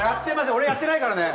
俺やってないからね。